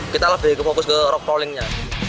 kita lebih fokus ke rock crawling nya